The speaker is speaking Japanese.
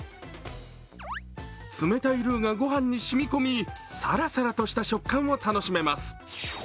冷たいルーが御飯に染み込み、さらさらとした食感を楽しめます。